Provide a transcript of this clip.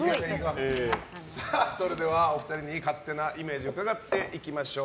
お二人に勝手なイメージ伺っていきましょう。